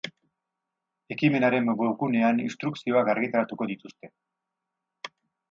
Ekimenaren webgunean instrukzioak argitaratuko dituzte.